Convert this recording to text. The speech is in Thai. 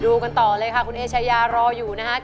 กันต่อเลยค่ะคุณเอชายารออยู่นะครับ